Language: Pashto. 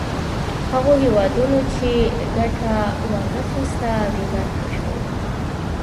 هغو هېوادونو چې ګټه وا نه خیسته بې برخې شول.